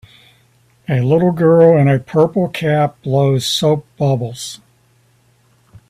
A little girl in a purple cap blows soap bubbles.